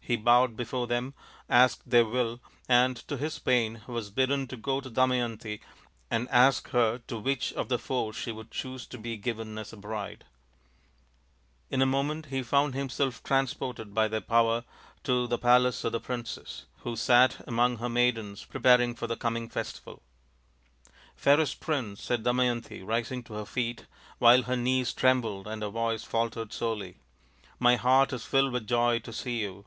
He bowed before them, asked their will, and to his pain was bidden to go to Damayanti and ask her to which of the four she would choose to be given as a bride. NALA THE GAMESTER 123 In a moment he found himself transported by their power to the palace of the princess, who sat among her maidens preparing for the coming festival. " Fairest Prince/ 5 said Damayanti, rising to her feet, while her knees trembled and her voice faltered sorely, " my heart is filled with joy to see you.